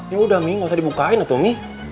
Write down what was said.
ya udah mi nggak usah dibukain tung mi